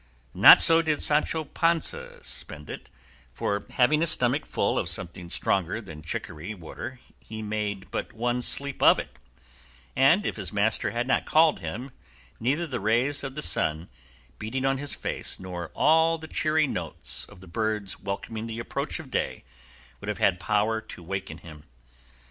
Not so did Sancho Panza spend it, for having his stomach full of something stronger than chicory water he made but one sleep of it, and, if his master had not called him, neither the rays of the sun beating on his face nor all the cheery notes of the birds welcoming the approach of day would have had power to waken him.